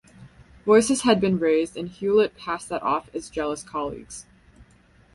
Voices had been raised and Hewlett passed that off as jealous colleagues.